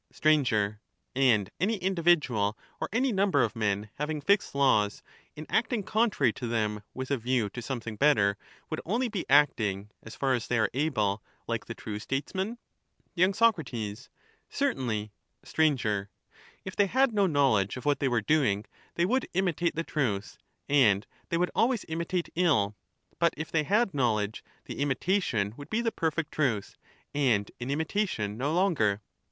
Sir, And any individual or any number of men, having fixed laws, in acting contrary to them with a view to some thing better, would only be acting, as far as they are able, like the true Statesman ? y. Soc, Certainly. Sir, If they had no knowledge of what they were doing, they would imitate the truth, and they would always imitate ill ; but if they had knowledge, the imitation would be the perfect truth, and an imitation no longer.